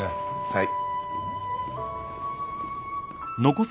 はい。